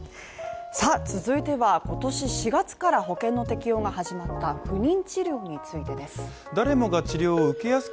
さあ、続いては今年４月から保険の適用が始まった不妊治療についてです。